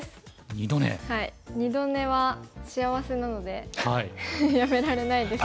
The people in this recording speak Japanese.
二度寝は幸せなのでやめられないですね。